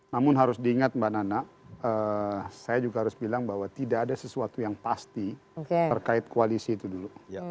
namun harus diingat mbak nana saya juga harus bilang bahwa tidak ada sesuatu yang pasti terkait koalisi itu dulu